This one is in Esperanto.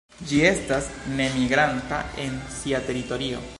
Ĝi estas nemigranta en sia teritorio.